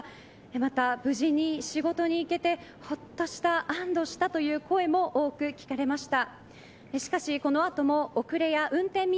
また、無事に仕事に行けてほっとした、安堵したという声も多く聞かれました。